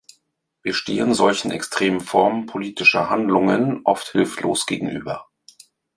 Wir stehen solchen extremen Formen politischer Handlungen oft hilflos gegenüber.